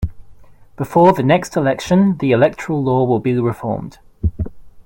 Before the next election, the electoral law will be reformed.